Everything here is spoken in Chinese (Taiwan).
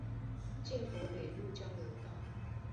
建國北路交流道